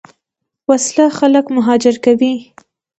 وسله خلک مهاجر کوي